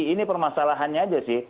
ini permasalahannya aja sih